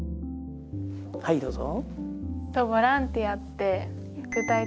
はいどうぞ。